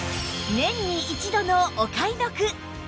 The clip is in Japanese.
年に一度のお買い得！